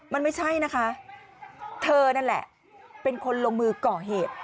มันไม่ใช่นะคะเธอนั่นแหละเป็นคนลงมือก่อเหตุ